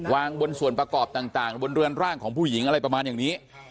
วางบนส่วนประกอบต่างบนเรือนร่างของผู้หญิงอะไรประมาณอย่างนี้